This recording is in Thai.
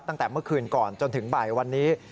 ตั้งแต่เมื่อคืนก่อนจนถึงบ่ายวันนี้